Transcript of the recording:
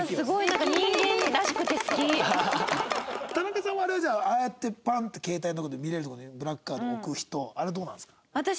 田中さんはああやってパンッて携帯のとこに見れるとこにブラックカード置く人あれどうなんですか？